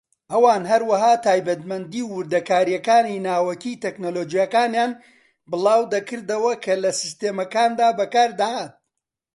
ئەوان هەروەها تایبەتمەندی و وردەکارییەکانی ناوەکی تەکنەلۆجیاکانیان بڵاوکردەوە کە لە سیستەمەکاندا بەکاردەهات.